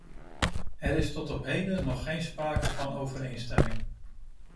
Er is tot op heden nog geen sprake van overeenstemming.